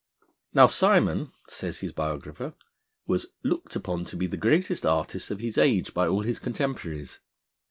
Now, Simon, says his biographer, was 'looked upon to be the greatest artist of his age by all his contemporaries.'